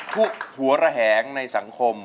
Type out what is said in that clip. ทุกหัวแหงในสังคม